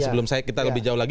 sebelum saya kita lebih jauh lagi